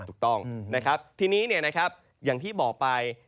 ถูกต้องนะครับทีนี้อย่างที่บอกไป